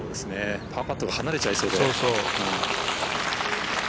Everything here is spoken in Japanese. パーパットが離れちゃいそうですしね。